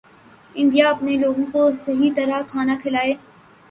India اپنے لوگوں کو صحیح طرح کھانا کھلائے